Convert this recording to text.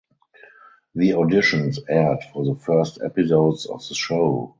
The auditions aired for the first episodes of the show.